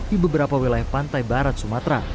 di beberapa wilayah pantai barat sumatera